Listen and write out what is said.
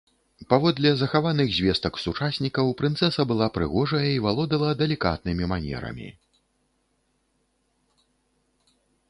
Паводле захаваных звестак сучаснікаў прынцэса была прыгожая і валодала далікатнымі манерамі.